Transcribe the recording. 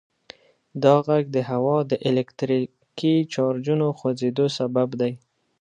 دا غږ د هوا د الکتریکي چارجونو د خوځیدو سبب دی.